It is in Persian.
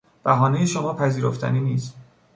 بهانهی شما پذیرفتنی نیست.